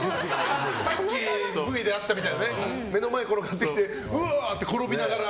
さっきＶであったみたいな目の前転がってきてうわーって転びながら。